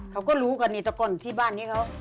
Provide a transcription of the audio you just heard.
เขาก็รู้กับนิตกลที่บ้านนี้เขา